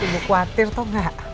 ibu khawatir tau gak